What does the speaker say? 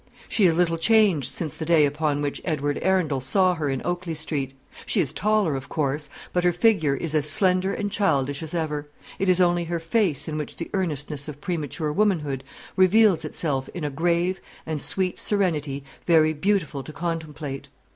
She is little changed since the day upon which Edward Arundel saw her in Oakley Street. She is taller, of course, but her figure is as slender and childish as ever: it is only her face in which the earnestness of premature womanhood reveals itself in a grave and sweet serenity very beautiful to contemplate.